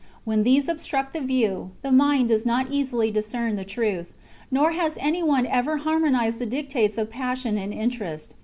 When these ob struct the view, the mind does not easily discern the~ truth ; nor has any one ever harmonized the dictates of passion and interest.